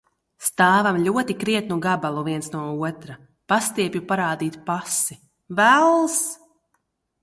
Stāvam ļoti krietnu gabalu viens no otra, pastiepju parādīt pasi. Vells!